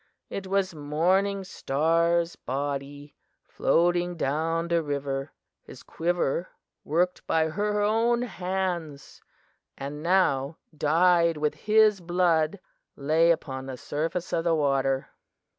It was Morning Star's body, floating down the river; his quiver, worked by her own hands and now dyed with his blood, lay upon the surface of the water.